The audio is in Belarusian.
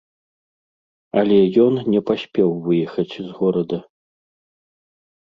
Але ён не паспеў выехаць з горада.